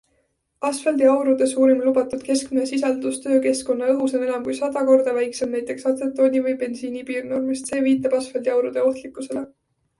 Asfaldiaurude suurim lubatud keskmine sisaldus töökeskkonna õhus on enam kui sada korda väiksem näiteks atsetooni või bensiini piirnormist - see viitab asfaldiaurude ohtlikkusele.